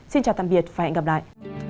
xin chào tạm biệt và hẹn gặp lại